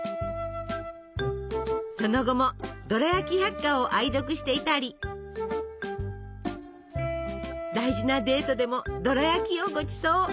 その後も「ドラヤキ百科」を愛読していたり大事なデートでもドラやきをごちそう。